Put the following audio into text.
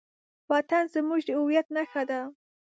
وطن زموږ د هویت نښه ده.